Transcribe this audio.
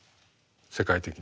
世界的に。